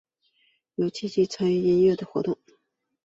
有积极的参与音乐活动。